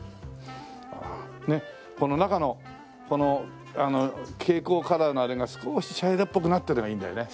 この中のこの蛍光カラーのあれが少し茶色っぽくなってるのがいいんだよね。